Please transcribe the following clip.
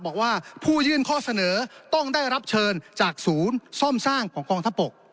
บอกว่าผู้ยื่นข้อเสนอต้องได้รับเชิญจากศูนย์ซ่อมสร้างของกองทัพบก